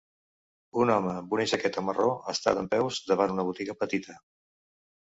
Un home amb una jaqueta marró està dempeus davant una botiga petita.